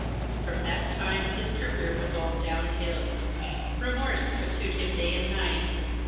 From that time his career was all downhill. Remorse pursued him day and night.